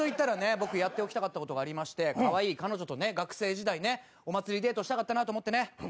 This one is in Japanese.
僕やっておきたかった事がありましてかわいい彼女とね学生時代ねお祭りデートしたかったなと思ってね。